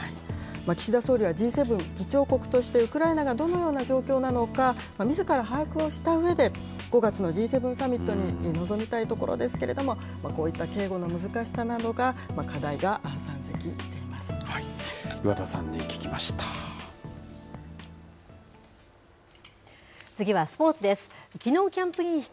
岸田総理はＧ７議長国として、ウクライナがどのような状況なのか、みずから把握をしたうえで、５月のＧ７サミットに臨みたいところですけれども、こういった警護の難しさなど課題が山積してい岩田さんに聞きました。